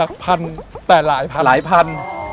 พันแต่หลายพัน